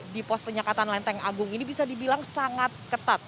di pos penyekatan lenteng agung ini bisa dibilang sangat ketat